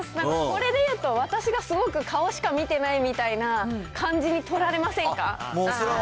これで言うと、私がすごく顔しか見てないみたいな感じに取られませんか？